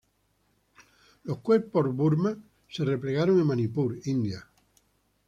Los Cuerpos Burma se replegaron en Manipur, India.